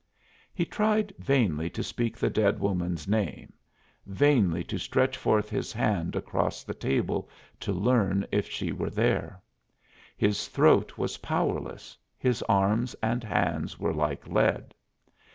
He tried vainly to speak the dead woman's name, vainly to stretch forth his hand across the table to learn if she were there. His throat was powerless, his arms and hands were like lead.